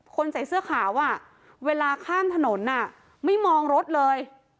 ใส่เสื้อขาวเวลาข้ามถนนไม่มองรถเลย